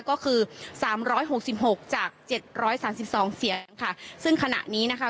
ก็คือ๓๖๖จาก๗๓๒เสียงค่ะซึ่งขณะนี้นะคะ